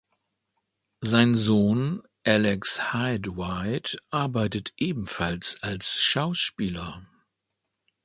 Sein Sohn, Alex Hyde-White, arbeitet ebenfalls als Schauspieler.